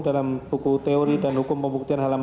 dalam buku teori dan hukum pembuktian halaman enam puluh enam